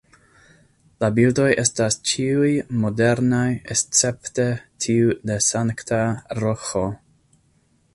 La bildoj estas ĉiuj modernaj escepte tiu de Sankta Roĥo.